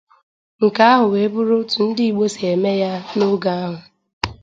Nke ahụ wee bụrụ otu ndi Igbo si eme ya n'oge ahụ.